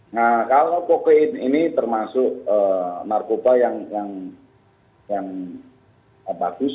nah kalau kokain ini termasuk narkoba yang bagus